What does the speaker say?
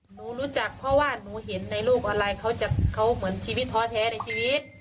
หนูรู้จักพ่อว่านหนูเห็นในโลกอะไรเขาเหมือนชีวิตท้อแท้ในชีวิต